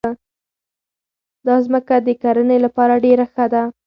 دا ځمکه د کرنې لپاره ډېره ښه ده.